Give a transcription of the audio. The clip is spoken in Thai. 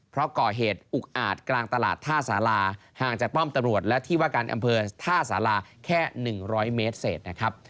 เพราะก่อเหตุอุกอาจกลางตลาดท่าสาราห่างจากป้อมตำรวจและที่ว่าการอำเภอท่าสาราแค่๑๐๐เมตรเศษนะครับ